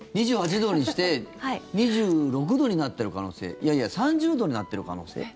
２８度にして２６度になってる可能性いやいや３０度になってる可能性。